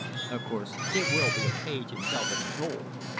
Of course, there will be a page in velvet and gold.